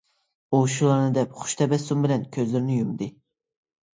ئۇ شۇلارنى دەپ خۇش تەبەسسۇم بىلەن كۆزلىرىنى يۇمدى.